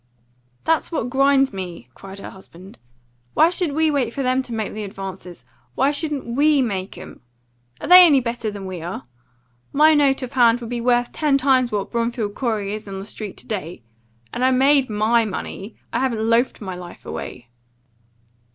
"That's what grinds me," cried her husband. "Why should we wait for them to make the advances? Why shouldn't we make 'em? Are they any better than we are? My note of hand would be worth ten times what Bromfield Corey's is on the street to day. And I made MY money. I haven't loafed my life away."